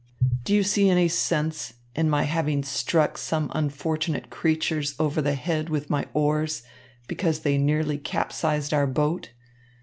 Do you see any sense in my having struck some unfortunate creatures over the head with my oars because they nearly capsized our boat?